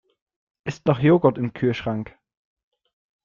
Ist noch Joghurt im Kühlschrank?